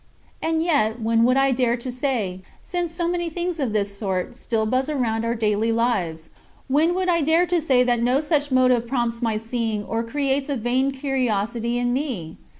And yet, when would I dare to say, since so many things of this sort still buzz around our daily lives when would I dare to say that no such motive prompts my seeing or creates a vain curiosity in me?